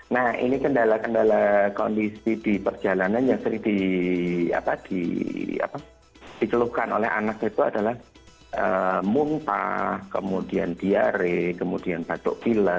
nah ini kendala kendala kondisi di perjalanan yang sering dikeluhkan oleh anak itu adalah muntah kemudian diare kemudian batuk bila